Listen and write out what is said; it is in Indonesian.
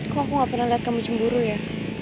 kok aku gak pernah lihat kamu cemburu ya